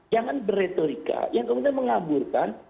jangan berretorika yang kemudian mengaburkan